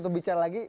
untuk bicara lagi